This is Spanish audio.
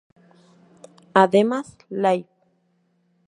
Además, Live!